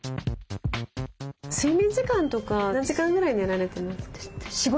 睡眠時間とか何時間ぐらい寝られてます？